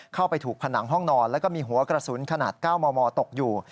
เข้าไปถูกผนังห้องนอนแล้วก็มีหัวกระสุนขนาด๙มมตกอยู่